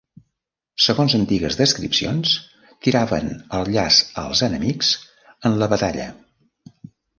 Segons antigues descripcions tiraven el llaç als enemics en la batalla.